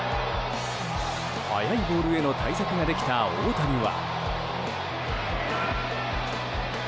速いボールへの対策ができた大谷は。